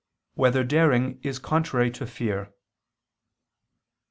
1] Whether Daring Is Contrary to Fear?